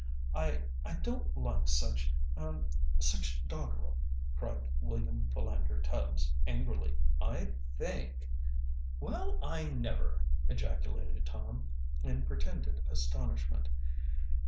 "I I don't like such er such doggerel," cried William Philander Tubbs angrily. "I think " "Well, I never!" ejaculated Tom, in pretended astonishment.